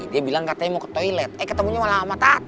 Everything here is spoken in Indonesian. dia bilang katanya mau ke toilet eh ketemunya malah sama taat